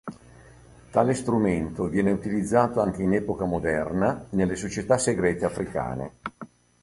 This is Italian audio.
Tale strumento viene utilizzato anche in epoca moderna, nelle società segrete africane.